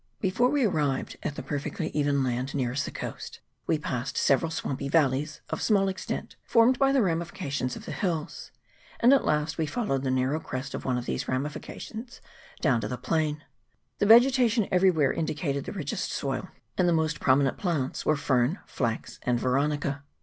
Before we arrived at the perfectly even land VOL. i. 2 D 402 MISSION STATION. [PART II. nearest the coast, we passed several swampy valleys of small extent, formed by the ramifications of the hills ; and at last we followed the narrow crest of one of these ramifications down to the plain. The vegetation everywhere indicated the richest soil, and the most prominent plants were fern, flax, and veronica.